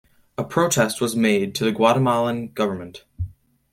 A protest was made to the Guatemalan Government.